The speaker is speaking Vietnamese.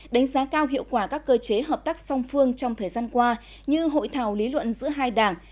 đánh giá cao hiệu quả các cơ chế hợp tác song phương trong thời gian qua như hội thảo lý luận giữa hai đảng